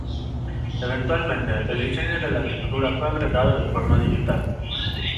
Eventualmente, el diseño de la textura fue agregado de forma digital.